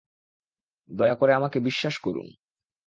দয়া করে আমাকে বিশ্বাস করুন।